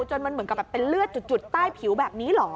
จนมันเหมือนกับแบบเป็นเลือดจุดใต้ผิวแบบนี้เหรอ